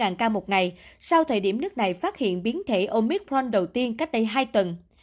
giảm cao một ngày sau thời điểm nước này phát hiện biến thể omicron đầu tiên cách đây hai tuần